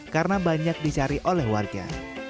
karena banyak dicari oleh warga